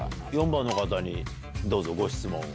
４番の方にどうぞご質問を。